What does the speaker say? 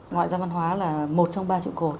ngoại giao văn hóa là một trong ba trụ cột